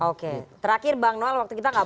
oke terakhir bang noel waktu kita gak